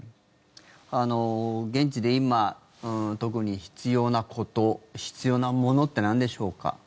現地で今、特に必要なこと必要なものってなんでしょうか？